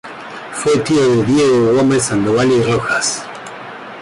Fue tío de Diego Gómez de Sandoval y Rojas.